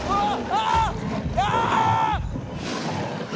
ああ！